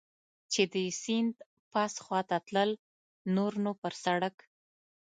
چې د سیند پاس خوا ته تلل، نور نو پر سړک.